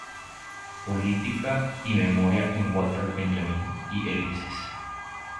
Política y memoria en Walter Benjamin" y "Elipses".